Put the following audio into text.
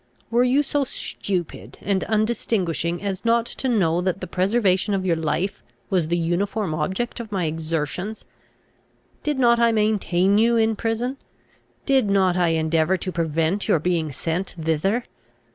"Were you so stupid and undistinguishing as not to know that the preservation of your life was the uniform object of my exertions? Did not I maintain you in prison? Did not I endeavour to prevent your being sent thither?